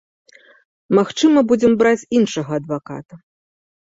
Магчыма, будзем браць іншага адваката.